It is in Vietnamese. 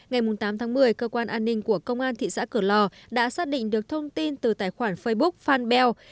ngày tám tháng một mươi cơ quan an ninh của công an thị xã cửa lò đã xác định được thông tin từ tài khoản facebook fanbell